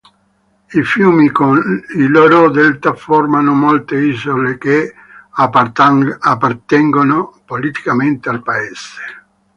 I fiumi con i loro delta formano molte isole che appartengono politicamente al paese.